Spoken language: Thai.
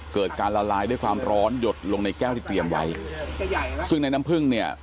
เกิดการละลายด้วยความร้อนหยดลงในแก้วที่เตรียมไว้ซึ่งในน้ำผึ้งเนี่ย